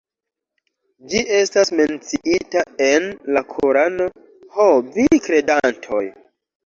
Ĝi estas menciita en la Korano: "Ho vi kredantoj!